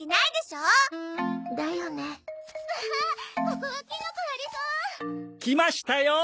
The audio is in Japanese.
ここはキノコありそう！来ましたよ！